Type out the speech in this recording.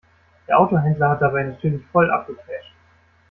Der Autohändler hat dabei natürlich voll abgecasht.